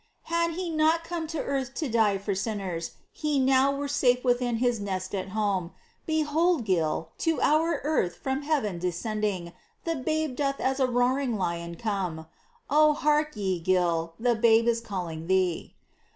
Had He not come to earth to die for sinners He now were safe within His nest at home !— Behold, Gil, to our earth from heaven descending The Babe doth as a roaring lion come : Oh hark ye, Gil, the Babe is calling thee